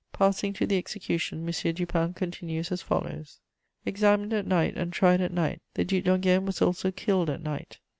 Passing to the execution, M. Dupin continues as follows: "Examined at night and tried at night, the Duc d'Enghien was also killed at night.